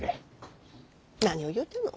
何を言うてんの！